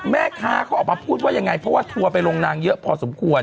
แม่ค้าเขาออกมาพูดว่ายังไงเพราะว่าทัวร์ไปลงนางเยอะพอสมควร